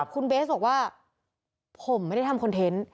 คุณเบสบอกว่าผมไม่ได้ทำคอนเทนต์